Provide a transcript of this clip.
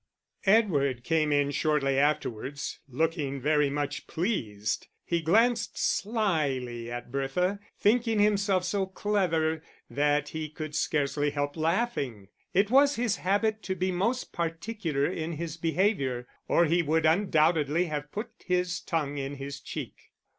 _ Edward came in shortly afterwards, looking very much pleased. He glanced slily at Bertha, thinking himself so clever that he could scarcely help laughing: it was his habit to be most particular in his behaviour, or he would undoubtedly have put his tongue in his cheek.